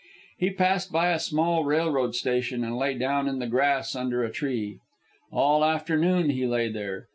He passed by a small railroad station and lay down in the grass under a tree. All afternoon he lay there.